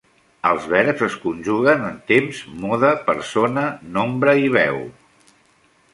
Els verbs es conjuguen en temps, mode, persona, nombre i veu.